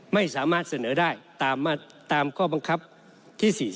ไม่สามารถเสนอได้ตามข้อบังคับที่๔